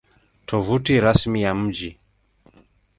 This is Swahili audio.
Tovuti Rasmi ya Mji